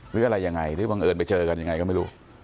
หรืออะไรยังไงหรือบังเอิญไปเจอกันยังไงก็ไม่รู้